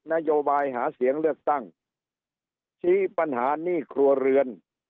นโยบายหาเสียงเลือกตั้งชี้ปัญหาหนี้ครัวเรือน